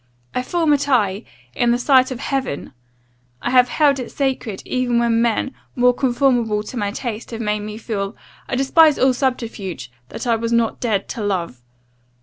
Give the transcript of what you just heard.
I formed a tie, in the sight of heaven I have held it sacred; even when men, more conformable to my taste, have made me feel I despise all subterfuge! that I was not dead to love.